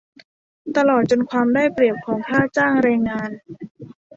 ตลอดจนความได้เปรียบของค่าจ้างแรงงาน